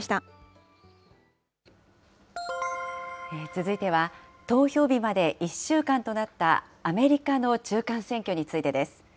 続いては、投票日まで１週間となったアメリカの中間選挙についてです。